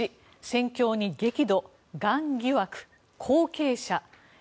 １戦況に激怒、がん疑惑、後継者。